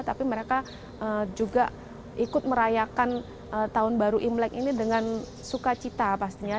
tapi mereka juga ikut merayakan tahun baru imlek ini dengan sukacita pastinya